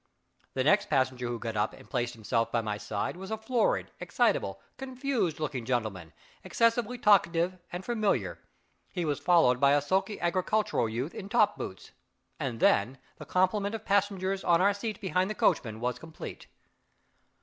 The next passenger who got up and placed himself by my side was a florid, excitable, confused looking gentleman, excessively talkative and familiar. He was followed by a sulky agricultural youth in top boots and then, the complement of passengers on our seat behind the coachman was complete.